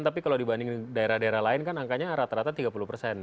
tapi kalau dibanding daerah daerah lain kan angkanya rata rata tiga puluh persen